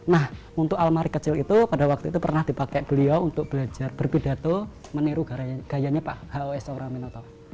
nah untuk almari kecil itu pada waktu itu pernah dipakai beliau untuk belajar berpidato meniru gayanya pak h o s soekarno aminoto